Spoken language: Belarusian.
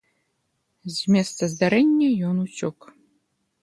З месца здарэння ён уцёк.